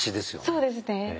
そうですね。